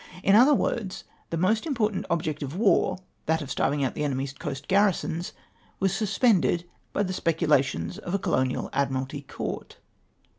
Li other words, the most important object of war — that of starving out the enemy's coast garrisons — was sus pended by the speculations of a colonial Admiralty Court